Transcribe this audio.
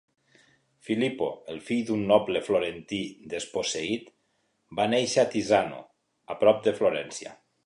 Filippo, el fill d'un noble florentí desposseït, va néixer a Tizzano, a prop de Florència.